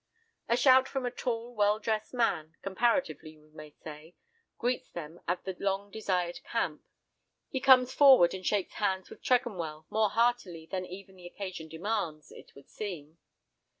A shout from a tall, well dressed man—comparatively, we may say—greets them at the long desired camp. He comes forward and shakes hands with Tregonwell, more heartily than even the occasion demands, it would seem.